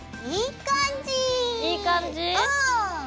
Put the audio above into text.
いい感じ？